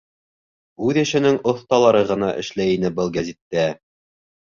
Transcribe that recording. Үҙ эшенең оҫталары ғына эшләй ине был гәзиттә.